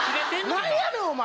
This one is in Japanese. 何やねん⁉お前。